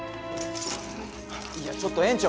いやちょっと園長！